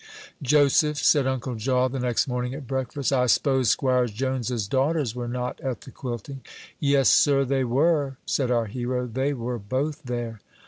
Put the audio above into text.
"Joseph," said Uncle Jaw, the next morning at breakfast, "I s'pose 'Squire Jones's daughters were not at the quilting." "Yes, sir, they were," said our hero; "they were both there."